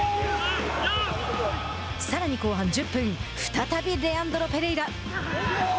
さらに、後半１０分再びレアンドロ・ペレイラ。